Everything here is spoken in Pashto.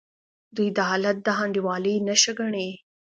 دوی دا حالت د ناانډولۍ نښه ګڼي.